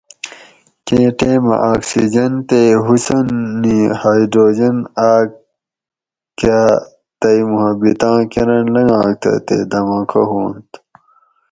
کیں ٹیمہ آکسیجن تے حسن نی ہایٔڈروجن آک کاۤ تئ محابتاں کرنٹ لنگاگ تہ تے دھماکہ ھوانت